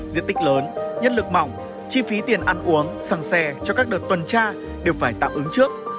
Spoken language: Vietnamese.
diện tích lớn nhất lực mỏng chi phí tiền ăn uống xăng xe cho các đợt tuần tra đều phải tạm ứng trước